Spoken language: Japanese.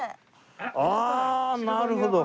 ああなるほど。